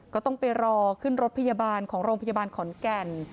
ก็ต้องไปรอขึ้นรถพยาบาลของโรงพยาบาลขอนแก่น